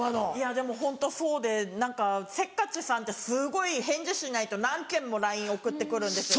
でもホントそうで何かせっかちさんってすごい返事しないと何件もＬＩＮＥ送って来るんですよ。